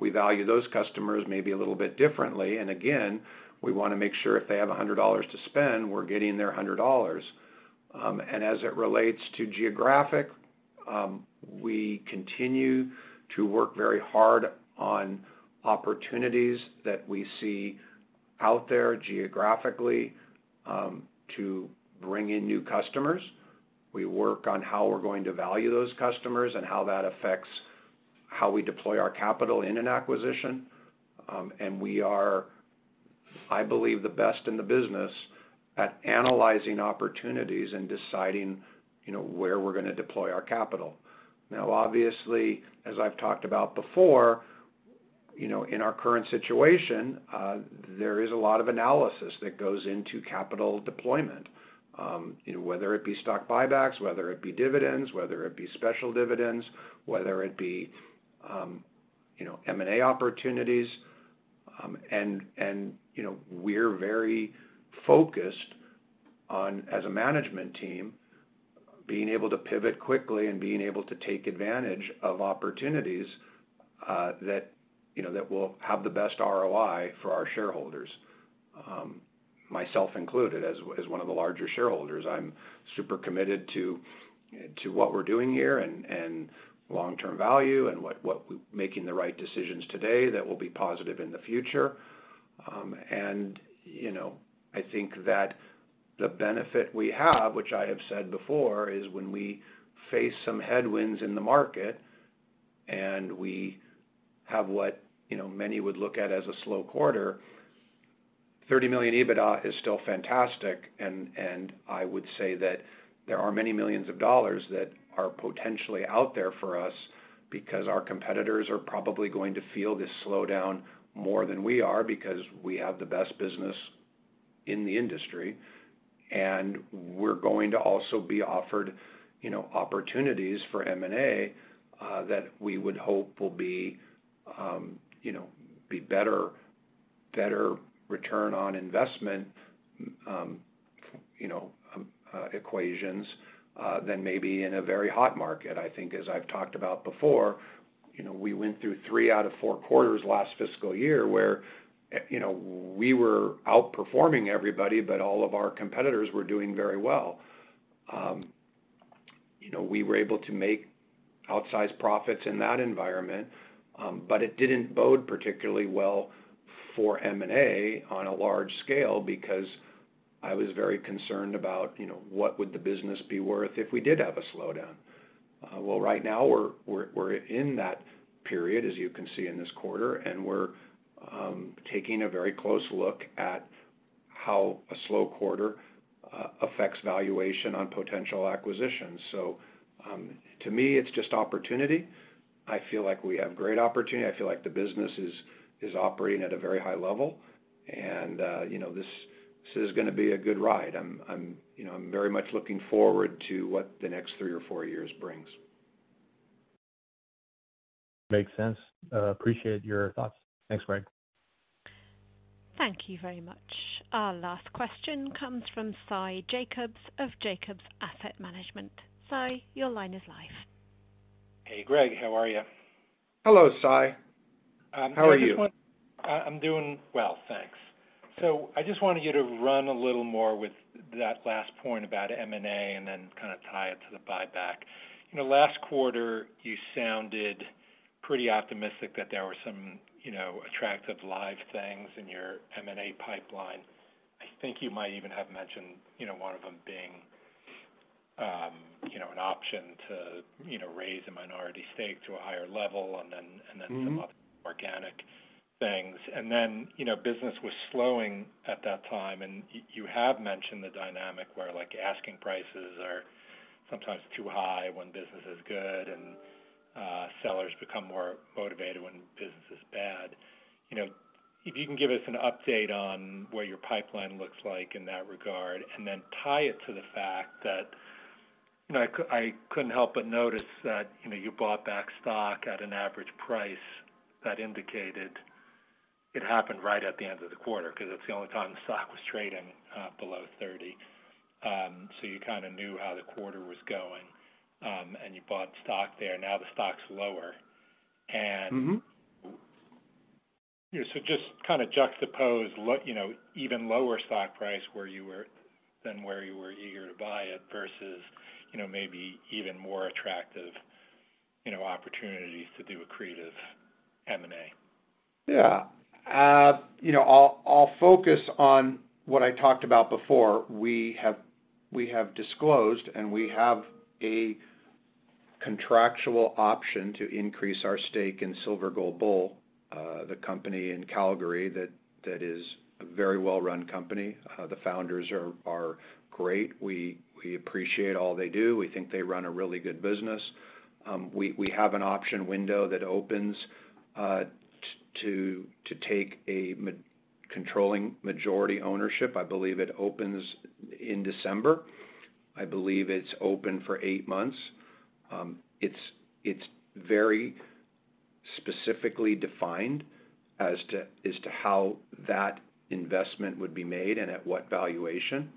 we value those customers maybe a little bit differently. And again, we want to make sure if they have $100 to spend, we're getting their $100. And as it relates to geographic, we continue to work very hard on opportunities that we see out there geographically, to bring in new customers. We work on how we're going to value those customers and how that affects how we deploy our capital in an acquisition. We are, I believe, the best in the business at analyzing opportunities and deciding, you know, where we're going to deploy our capital. Now, obviously, as I've talked about before, you know, in our current situation, there is a lot of analysis that goes into capital deployment. Whether it be stock buybacks, whether it be dividends, whether it be special dividends, whether it be, you know, M&A opportunities. We're very focused on, as a management team, being able to pivot quickly and being able to take advantage of opportunities, that, you know, that will have the best ROI for our shareholders, myself included, as one of the larger shareholders. I'm super committed to what we're doing here and long-term value and what—making the right decisions today that will be positive in the future. You know, I think that the benefit we have, which I have said before, is when we face some headwinds in the market, and we have what, you know, many would look at as a slow quarter, $30 million EBITDA is still fantastic. And I would say that there are many millions of dollars that are potentially out there for us because our competitors are probably going to feel this slowdown more than we are, because we have the best business in the industry. We're going to also be offered, you know, opportunities for M&A, that we would hope will be, you know, be better, better return on investment, you know, equations, than maybe in a very hot market. I think, as I've talked about before, you know, we went through three out of four quarters last fiscal year, where, you know, we were outperforming everybody, but all of our competitors were doing very well. You know, we were able to make outsized profits in that environment, but it didn't bode particularly well for M&A on a large scale because I was very concerned about, you know, what would the business be worth if we did have a slowdown? Well, right now we're in that period, as you can see in this quarter, and we're taking a very close look at how a slow quarter affects valuation on potential acquisitions. So, to me, it's just opportunity. I feel like we have great opportunity. I feel like the business is operating at a very high level, and you know, this is going to be a good ride. You know, I'm very much looking forward to what the next three or four years brings. Makes sense. Appreciate your thoughts. Thanks, Greg. Thank you very much. Our last question comes from Sy Jacobs of Jacobs Asset Management. Sy, your line is live. Hey, Greg, how are you? Hello, Sy. How are you? I'm doing well, thanks. So I just wanted you to run a little more with that last point about M&A and then kind of tie it to the buyback. You know, last quarter, you sounded pretty optimistic that there were some, you know, attractive live things in your M&A pipeline. I think you might even have mentioned, you know, one of them being, you know, an option to, you know, raise a minority stake to a higher level and then- Mm-hmm. - and then some other organic things. And then, you know, business was slowing at that time, and you have mentioned the dynamic where, like, asking prices are sometimes too high when business is good, and, sellers become more motivated when business is bad. You know, if you can give us an update on what your pipeline looks like in that regard, and then tie it to the fact that... You know, I couldn't help but notice that, you know, you bought back stock at an average price that indicated it happened right at the end of the quarter, 'cause that's the only time the stock was trading below 30. So you kinda knew how the quarter was going, and you bought stock there. Now, the stock's lower and- Mm-hmm. Yeah, so just kind of juxtapose what, you know, even lower stock price where you were than where you were eager to buy it versus, you know, maybe even more attractive, you know, opportunities to do accretive M&A. Yeah. You know, I'll focus on what I talked about before. We have disclosed, and we have a contractual option to increase our stake in Silver Gold Bull, the company in Calgary, that is a very well-run company. The founders are great. We appreciate all they do. We think they run a really good business. We have an option window that opens to take a controlling majority ownership. I believe it opens in December. I believe it's open for eight months. It's very specifically defined as to how that investment would be made and at what valuation.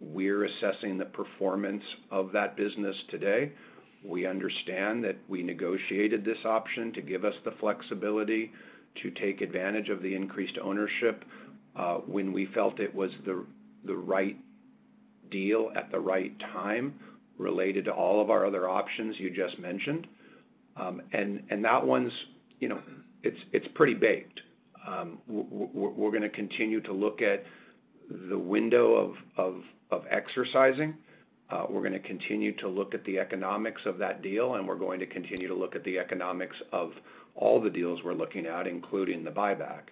We're assessing the performance of that business today. We understand that we negotiated this option to give us the flexibility to take advantage of the increased ownership, when we felt it was the right deal at the right time, related to all of our other options you just mentioned. And that one's, you know, it's pretty baked. We're going to continue to look at the window of exercising. We're going to continue to look at the economics of that deal, and we're going to continue to look at the economics of all the deals we're looking at, including the buyback.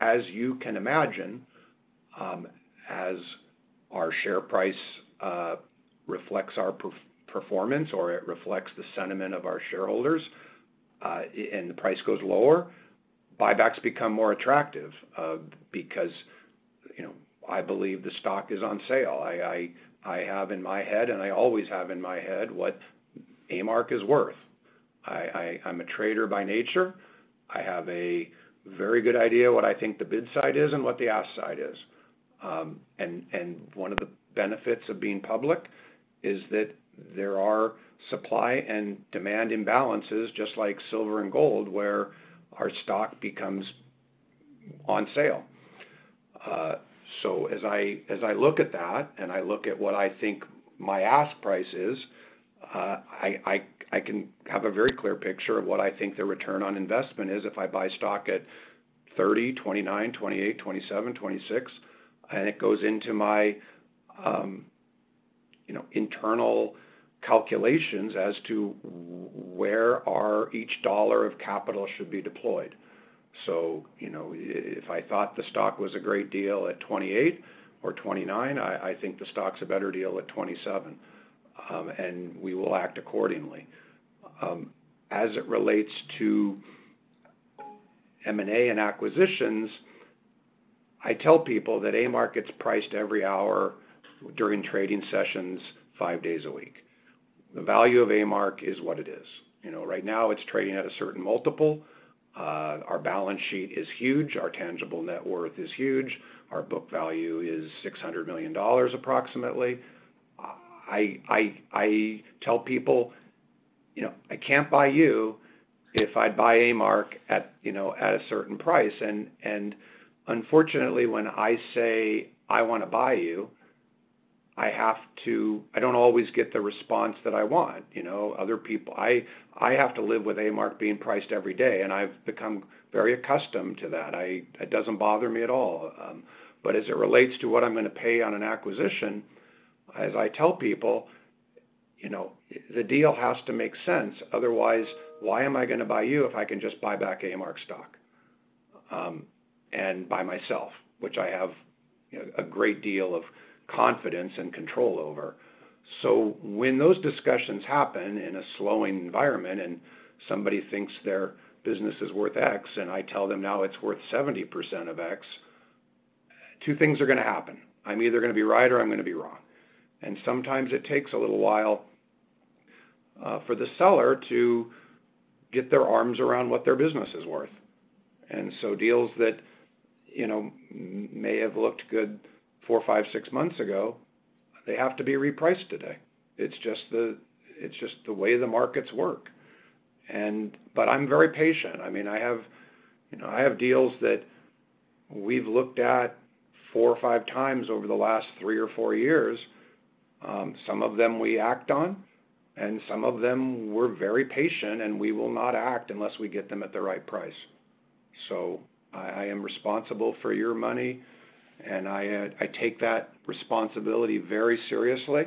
As you can imagine, as our share price reflects our performance, or it reflects the sentiment of our shareholders, and the price goes lower, buybacks become more attractive, because, you know, I believe the stock is on sale. I have in my head, and I always have in my head, what A-Mark is worth. I'm a trader by nature. I have a very good idea what I think the bid side is and what the ask side is. And one of the benefits of being public is that there are supply and demand imbalances, just like silver and gold, where our stock becomes on sale. So as I look at that, and I look at what I think my ask price is, I can have a very clear picture of what I think the return on investment is if I buy stock at 30, 29, 28, 27, 26, and it goes into my, you know, internal calculations as to where our each dollar of capital should be deployed. So, you know, if I thought the stock was a great deal at 28 or 29, I think the stock's a better deal at 27. And we will act accordingly. As it relates to M&A and acquisitions, I tell people that A-Mark gets priced every hour during trading sessions, five days a week. The value of A-Mark is what it is. You know, right now, it's trading at a certain multiple. Our balance sheet is huge. Our tangible net worth is huge. Our book value is $600 million, approximately. I tell people, "You know, I can't buy you if I buy A-Mark at, you know, at a certain price." And unfortunately, when I say, "I want to buy you," I have to... I don't always get the response that I want, you know, other people- I, I have to live with A-Mark being priced every day, and I've become very accustomed to that. I- it doesn't bother me at all. But as it relates to what I'm going to pay on an acquisition, as I tell people, "You know, the deal has to make sense. Otherwise, why am I going to buy you if I can just buy back A-Mark stock, um, and by myself, which I have, you know, a great deal of confidence and control over?" So when those discussions happen in a slowing environment, and somebody thinks their business is worth X, and I tell them now it's worth 70% of X, two things are going to happen. I'm either going to be right or I'm going to be wrong. Sometimes it takes a little while for the seller to get their arms around what their business is worth. So deals that, you know, may have looked good four, five, six months ago, they have to be repriced today. It's just the way the markets work. But I'm very patient. I mean, I have, you know, I have deals that we've looked at four or five times over the last three or four years. Some of them we act on, and some of them we're very patient, and we will not act unless we get them at the right price. So I am responsible for your money, and I take that responsibility very seriously,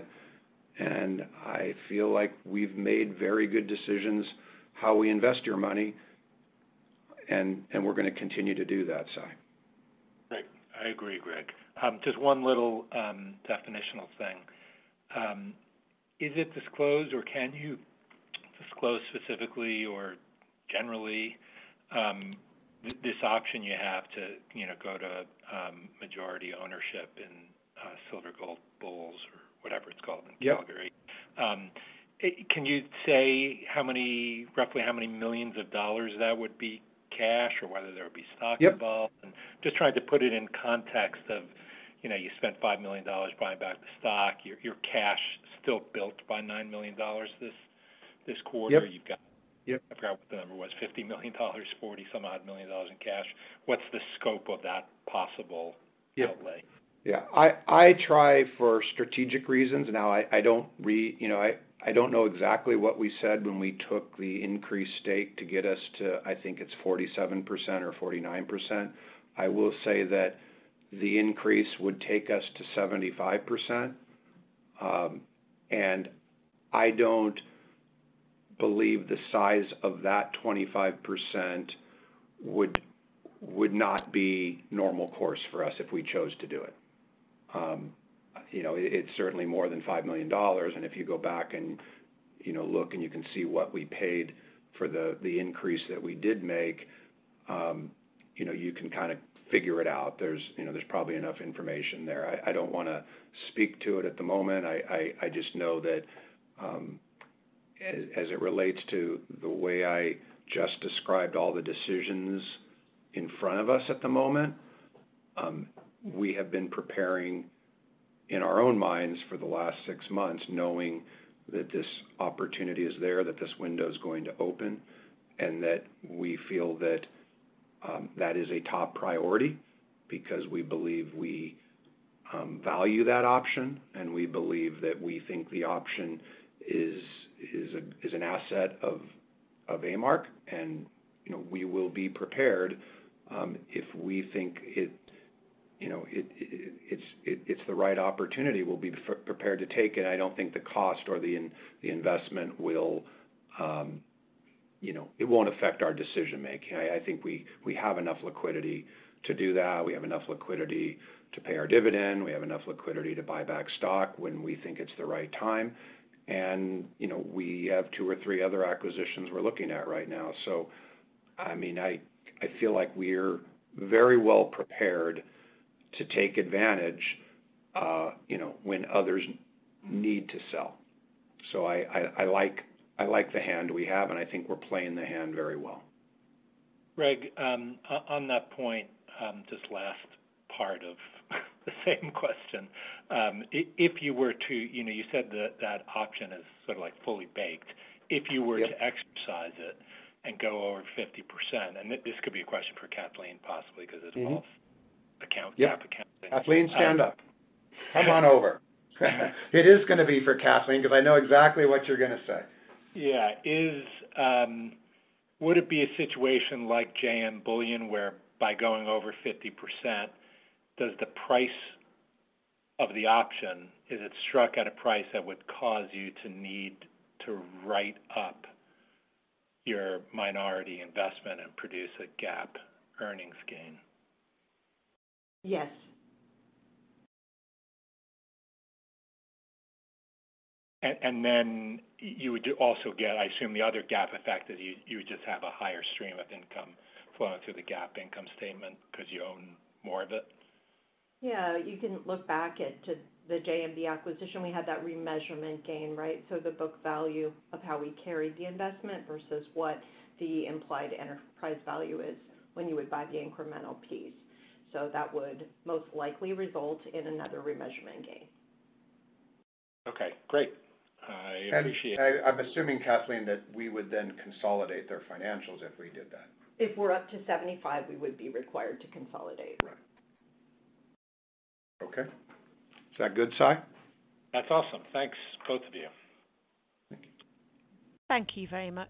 and I feel like we've made very good decisions how we invest your money, and we're going to continue to do that, Sy. Great. I agree, Greg. Just one little definitional thing. Is it disclosed, or can you disclose specifically or generally, this option you have to, you know, go to, majority ownership in, Silver Gold Bull or whatever it's called in Calgary? Yep. Can you say how many-roughly how many millions of dollars that would be cash or whether there would be stock? Yep... involved? Just trying to put it in context of, you know, you spent $5 million buying back the stock, your cash still built by $9 million this quarter. Yep. You've got- Yep. I forgot what the number was, $50 million, $40-some-odd million in cash. What's the scope of that possible- Yep - outlay? Yeah. I try for strategic reasons. Now, I don't you know, I don't know exactly what we said when we took the increased stake to get us to, I think it's 47% or 49%. I will say that the increase would take us to 75%. And I don't believe the size of that 25% would not be normal course for us if we chose to do it. You know, it's certainly more than $5 million, and if you go back and, you know, look, and you can see what we paid for the increase that we did make, you know, you can kinda figure it out. There's, you know, there's probably enough information there. I don't want to speak to it at the moment. I just know that, as it relates to the way I just described all the decisions in front of us at the moment, we have been preparing in our own minds for the last six months, knowing that this opportunity is there, that this window is going to open, and that we feel that that is a top priority because we believe we value that option, and we believe that we think the option is an asset of A-Mark. And, you know, we will be prepared, if we think it, you know, it's the right opportunity, we'll be prepared to take it. I don't think the cost or the investment will, you know, it won't affect our decision-making. I think we have enough liquidity to do that. We have enough liquidity to pay our dividend. We have enough liquidity to buy back stock when we think it's the right time. And, you know, we have two or three other acquisitions we're looking at right now. So, I mean, I feel like we're very well prepared to take advantage, you know, when others need to sell. So I like, I like the hand we have, and I think we're playing the hand very well. Greg, on that point, just last part of the same question. If you were to... You know, you said that that option is sort of like fully baked. Yeah. If you were to exercise it and go over 50%, and this could be a question for Kathleen, possibly, 'cause it's off- Mm-hmm. Account, GAAP account. Yeah. Kathleen, stand up. Come on over. It is going to be for Kathleen, because I know exactly what you're going to say. Yeah. Is, would it be a situation like JM Bullion, where by going over 50%, does the price of the option, is it struck at a price that would cause you to need to write up your minority investment and produce a GAAP earnings gain? Yes. And then you would also get, I assume, the other GAAP effect, that you would just have a higher stream of income flowing through the GAAP income statement because you own more of it? Yeah, you can look back at, to the JMB acquisition. We had that remeasurement gain, right? So the book value of how we carried the investment versus what the implied enterprise value is when you would buy the incremental piece. So that would most likely result in another remeasurement gain. Okay, great. I appreciate it. And I, I'm assuming, Kathleen, that we would then consolidate their financials if we did that. If we're up to 75, we would be required to consolidate. Right. Okay. Is that good, Sy? That's awesome. Thanks, both of you. Thank you. Thank you very much.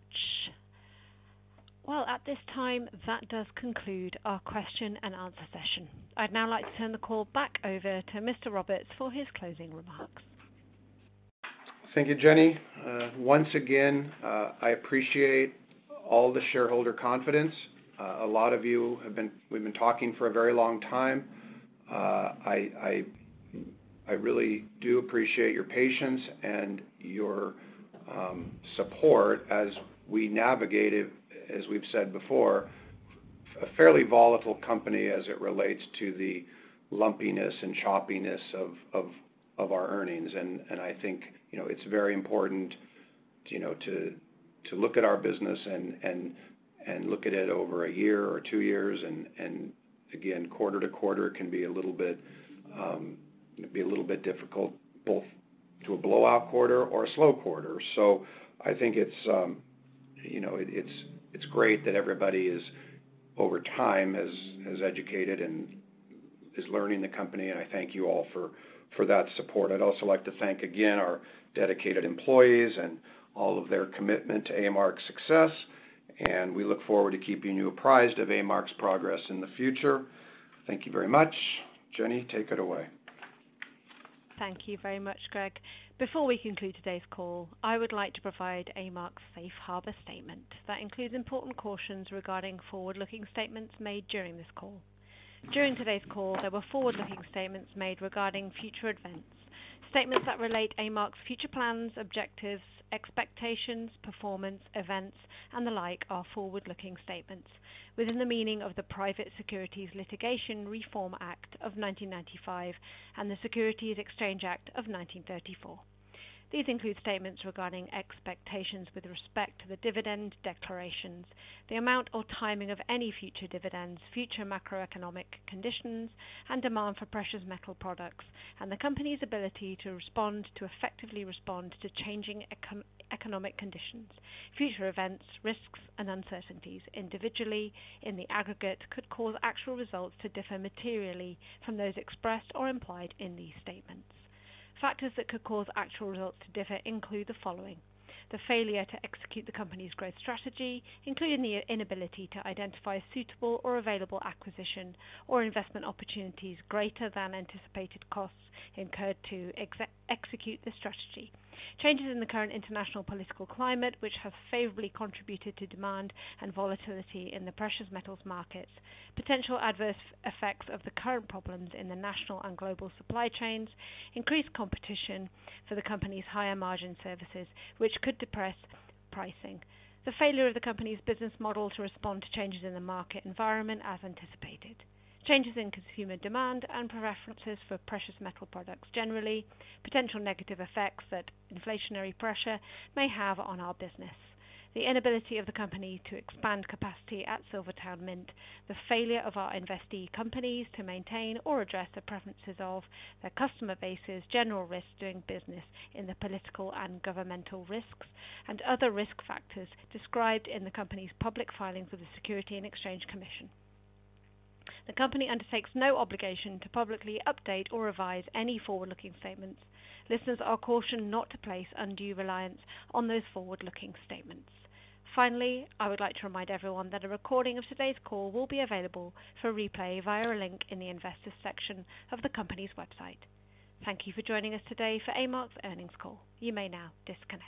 Well, at this time, that does conclude our question and answer session. I'd now like to turn the call back over to Mr. Roberts for his closing remarks. Thank you, Jenny. Once again, I appreciate all the shareholder confidence. A lot of you have been-we've been talking for a very long time. I really do appreciate your patience and your support as we navigated, as we've said before, a fairly volatile company as it relates to the lumpiness and choppiness of our earnings. I think, you know, it's very important, you know, to look at our business and look at it over a year or two years, and again, quarter to quarter can be a little bit difficult, both to a blowout quarter or a slow quarter. So I think it's, you know, it's great that everybody is, over time, has educated and is learning the company, and I thank you all for that support. I'd also like to thank again our dedicated employees and all of their commitment to A-Mark's success, and we look forward to keeping you apprised of A-Mark's progress in the future. Thank you very much. Jenny, take it away. Thank you very much, Greg. Before we conclude today's call, I would like to provide A-Mark's safe harbor statement, that includes important cautions regarding forward-looking statements made during this call. During today's call, there were forward-looking statements made regarding future events. Statements that relate A-Mark's future plans, objectives, expectations, performance, events, and the like, are forward-looking statements within the meaning of the Private Securities Litigation Reform Act of 1995 and the Securities Exchange Act of 1934. These include statements regarding expectations with respect to the dividend declarations, the amount or timing of any future dividends, future macroeconomic conditions and demand for precious metal products, and the company's ability to respond, to effectively respond to changing economic conditions. Future events, risks, and uncertainties, individually, in the aggregate, could cause actual results to differ materially from those expressed or implied in these statements. Factors that could cause actual results to differ include the following: the failure to execute the company's growth strategy, including the inability to identify a suitable or available acquisition or investment opportunities, greater than anticipated costs incurred to execute the strategy. Changes in the current international political climate, which have favorably contributed to demand and volatility in the precious metals markets. Potential adverse effects of the current problems in the national and global supply chains. Increased competition for the company's higher margin services, which could depress pricing. The failure of the company's business model to respond to changes in the market environment as anticipated. Changes in consumer demand and preferences for precious metal products, generally. Potential negative effects that inflationary pressure may have on our business. The inability of the company to expand capacity at SilverTowne Mint. The failure of our investee companies to maintain or address the preferences of their customer base's general risk doing business in the political and governmental risks, and other risk factors described in the company's public filings with the Securities and Exchange Commission. The company undertakes no obligation to publicly update or revise any forward-looking statements. Listeners are cautioned not to place undue reliance on those forward-looking statements. Finally, I would like to remind everyone that a recording of today's call will be available for replay via a link in the Investors section of the company's website. Thank you for joining us today for A-Mark's earnings call. You may now disconnect.